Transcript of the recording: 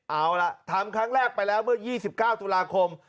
เอาล่ะทำครั้งแรกไปแล้วเมื่อ๒๙ตุลาคม